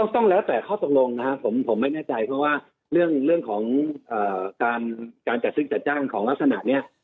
ต้องแล้วแต่ข้อตกลงนะครับผมไม่แน่ใจเพราะว่าเรื่องของการจัดซื้อจัดจ้างของลักษณะนี้